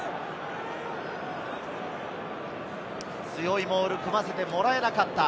強いモールを組ませてもらえなかった。